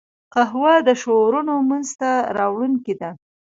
قهوه د شعرونو منځ ته راوړونکې ده